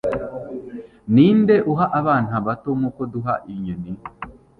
Ninde uha abana bato nkuko duha inyoni